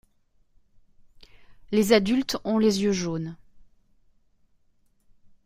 Les adultes ont les yeux jaunes.